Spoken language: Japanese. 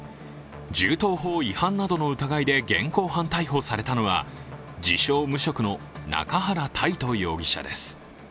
銃刀法違反などの疑いで現行犯逮捕されたのは自称・無職の中原泰斗容疑者です。